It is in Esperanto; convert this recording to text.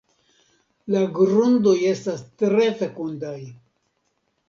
La grundoj estas tre fekundaj.